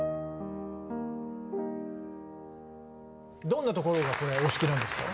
どんなところがこれお好きなんですか？